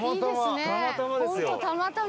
たまたま。